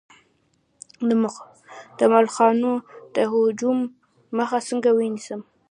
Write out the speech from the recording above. د ملخانو د هجوم مخه څنګه ونیسم؟